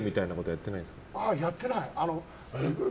やってない。